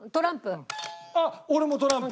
あっ俺もトランプ。